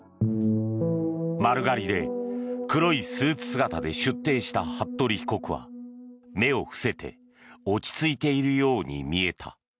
丸刈りで黒いスーツ姿で出廷した服部被告は目を伏せて落ち着いているように見えた。